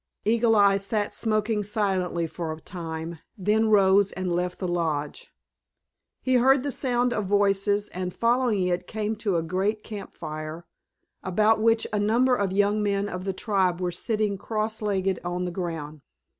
Eagle Eye sat smoking silently for a time, then rose and left the lodge. He heard the sound of voices, and following it came to a great camp fire, about which a number of young men of the tribe were sitting cross legged on the ground.